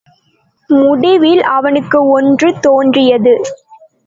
முடிவில் அவனுக்கு ஒன்று தோன்றியது!